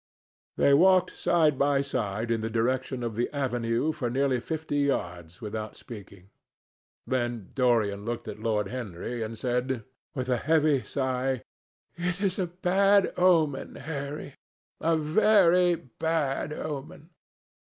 They walked side by side in the direction of the avenue for nearly fifty yards without speaking. Then Dorian looked at Lord Henry and said, with a heavy sigh, "It is a bad omen, Harry, a very bad omen."